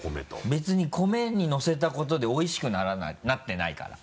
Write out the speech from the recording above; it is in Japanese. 別に米にのせたことでおいしくなってないから。